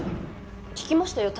聞きましたよ